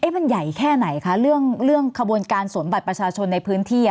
มันใหญ่แค่ไหนคะเรื่องขบวนการสวมบัตรประชาชนในพื้นที่